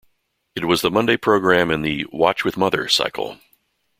It was the Monday programme in the "Watch with Mother" cycle.